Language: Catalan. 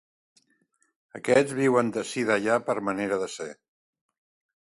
Aquests viuen d'ací d'allà per manera de ser.